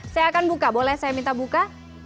saya akan buka boleh saya minta buka